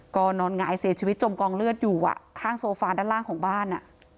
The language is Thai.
ก็นอนหงายเสียชีวิตจมกองเลือดอยู่ข้างโซฟาด้านล่างของบ้าน